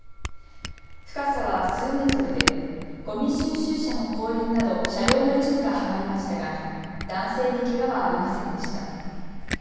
深さは数メートルでごみ収集車の後輪など車両の一部がはまりましたが男性にけがはありませんでした。